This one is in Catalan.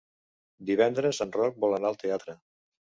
Divendres en Roc vol anar al teatre.